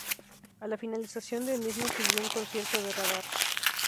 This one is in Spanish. A la finalización del mismo siguió un concierto de "Radar".